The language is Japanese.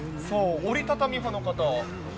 折り畳み派の方は。